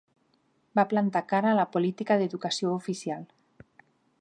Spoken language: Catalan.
Va plantar cara a la política d'educació oficial.